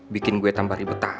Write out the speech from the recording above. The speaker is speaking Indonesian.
bikin gue tambah ribet aja